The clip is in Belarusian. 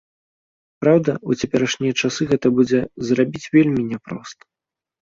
Праўда, у цяперашнія часы гэта будзе зрабіць вельмі няпроста.